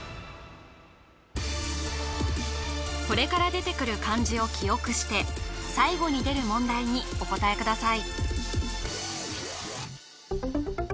これから出てくる漢字を記憶して最後に出る問題にお答えください